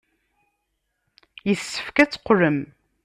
Yessefk ad teqqlem.